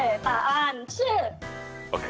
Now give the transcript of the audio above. ＯＫ。